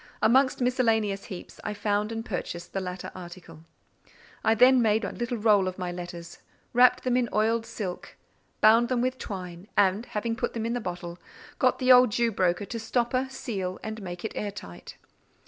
Amongst miscellaneous heaps, I found and purchased the latter article. I then made a little roll of my letters, wrapped them in oiled silk, bound them with twine, and, having put them in the bottle, got the old Jew broker to stopper, seal, and make it air tight.